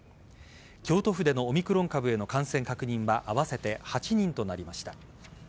京都府でのオミクロン株への感染確認は合わせて８人となりました。